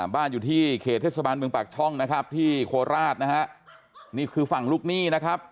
บ้านอยู่ที่เขตเทศบาลเมืองปากช่องนะครับที่โคราชนะฮะนี่คือฝั่งลูกหนี้นะครับ